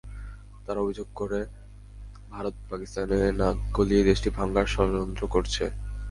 তারা অভিযোগ করে, ভারত পাকিস্তানে নাক গলিয়ে দেশটি ভাঙার ষড়যন্ত্র করছে।